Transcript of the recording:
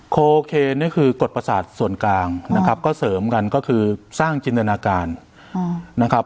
โคเคนนี่คือกฎประสาทส่วนกลางนะครับก็เสริมกันก็คือสร้างจินตนาการนะครับ